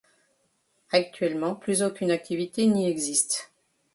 Actuellement plus aucune activité n'y existe.